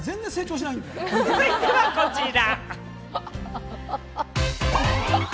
続いてはこちら！